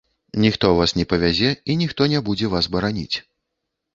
Ніхто вас не павязе і ніхто не будзе вас бараніць.